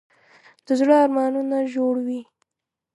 د زړه ارمانونه ژور وي.